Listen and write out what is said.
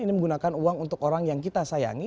ini menggunakan uang untuk orang yang kita sayangi